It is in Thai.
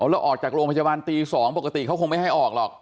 แล้วออกจากโรงพยาบาลตี๒ปกติเขาคงไม่ให้ออกหรอก